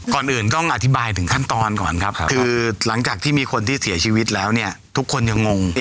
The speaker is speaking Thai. ก่อนอื่นต้องอธิบายถึงขั้นตอนก่อนครับคือหลังจากที่มีคนที่เสียชีวิตแล้วเนี่ยทุกคนยังงง